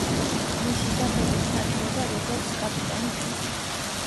მისი სახელი ითარგმნება როგორც „კაპიტანი ფირი“.